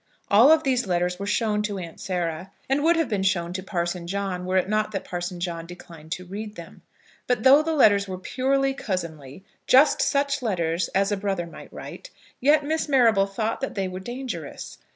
All of these letters were shown to Aunt Sarah, and would have been shown to Parson John were it not that Parson John declined to read them. But though the letters were purely cousinly, just such letters as a brother might write, yet Miss Marrable thought that they were dangerous.